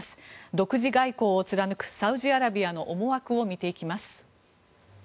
独自外交を貫くサウジアラビアの思惑を見ていきます。